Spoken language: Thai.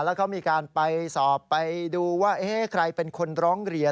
แล้วเขามีการไปสอบไปดูว่าใครเป็นคนร้องเรียน